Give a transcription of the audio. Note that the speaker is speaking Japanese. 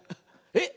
えっ